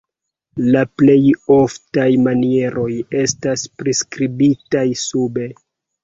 La plej oftaj manieroj estas priskribitaj sube.